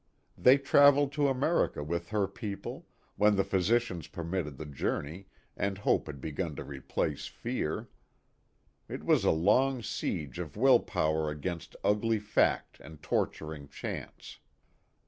They traveled to America with her people, when the physicians permitted the jour ney and hope had begun to replace fear. It was a long siege of will power against ugly fact and torturing chance.